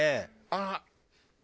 あっ！